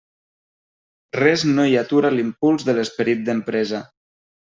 Res no hi atura l'impuls de l'esperit d'empresa.